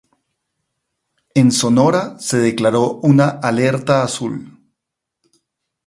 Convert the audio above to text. En Sonora, se declaró una alerta "azul".